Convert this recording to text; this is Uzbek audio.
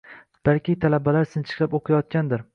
Balki talabalar sinchiklab o‘qiyotgandir.